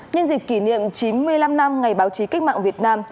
nhân dịp kỷ niệm chín mươi năm năm ngày báo chí cách mạng việt nam